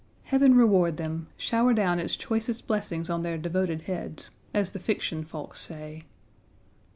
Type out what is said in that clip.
Heaven reward them; shower down its choicest blessings on their devoted heads, as the fiction folks say.